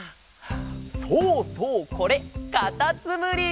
そうそうこれかたつむり！